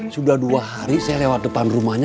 sudah dua hari saya lewat depan rumahnya